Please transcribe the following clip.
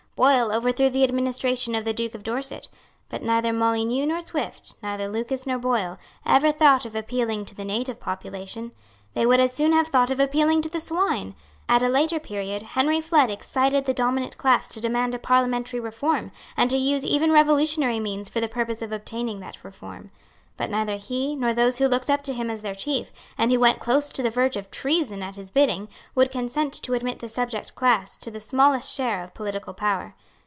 Boyle overthrew the administration of the Duke of Dorset. But neither Molyneux nor Swift, neither Lucas nor Boyle, ever thought of appealing to the native population. They would as soon have thought of appealing to the swine. At a later period Henry Flood excited the dominant class to demand a Parliamentary reform, and to use even revolutionary means for the purpose of obtaining that reform. But neither he, nor those who looked up to him as their chief, and who went close to the verge of treason at his bidding, would consent to admit the subject class to the smallest share of political power.